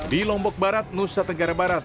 di lombok barat nusa tenggara barat